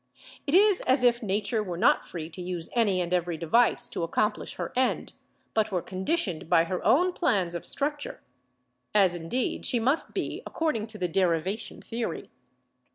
It is as if Nature were not free to use any and every device to accomplish her end, but were conditioned by her own plans of structure; as, indeed, she must be according to the derivation theory.